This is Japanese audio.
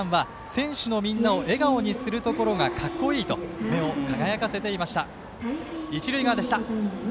お父さんは、選手のみんなを笑顔にするところがかっこいいと目を輝かせていました一塁側でした。